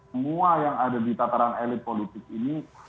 semua yang ada di tataran elit politik ini